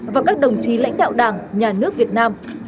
và các đồng chí lãnh đạo đảng nhà nước việt nam